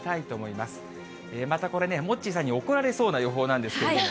またこれね、モッチーさんに怒られそうな予報なんですけれども。